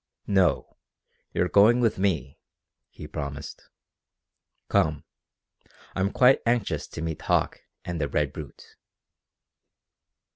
"No you're going with me," he promised. "Come. I'm quite anxious to meet Hauck and the Red Brute!"